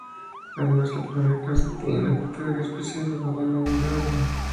Además, la primera clase tiene una categoría especial llamada Grado de Orden.